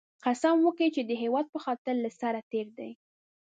قسم یې وکی چې د هېواد په خاطر له سره تېر دی